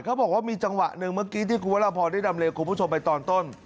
เขาบอกว่ามีจังหวะหนึ่งเมื่อกี้ที่คุณวรพรได้ดำเลียคุณผู้ชมไปตอนต้น